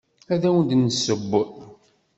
Ad awent-d-nesseww.